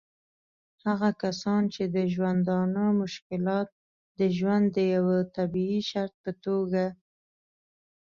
هغه کسان چې د ژوندانه مشکلات د ژوند د یوه طبعي شرط په توګه